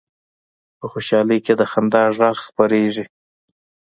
په خوشحالۍ کې د خندا غږ خپرېږي